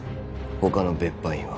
他の別班員は？